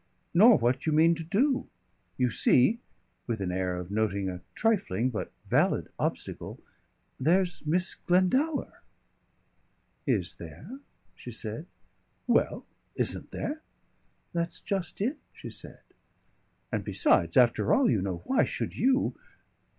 "Nor what you mean to do. You see" with an air of noting a trifling but valid obstacle "there's Miss Glendower." "Is there?" she said. "Well, isn't there?" "That's just it," she said. "And besides after all, you know, why should you